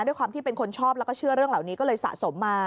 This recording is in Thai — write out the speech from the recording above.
ด้วยความที่เป็นคนชอบแล้วก็เชื่อเรื่องเหล่านี้ก็เลยสะสมมา